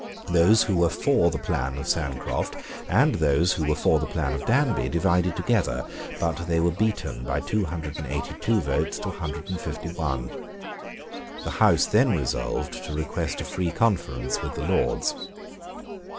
Those who were for the plan of Sancroft and those who were for the plan of Danby divided together; but they were beaten by two hundred and eighty two votes to a hundred and fifty one. The House then resolved to request a free conference with the Lords.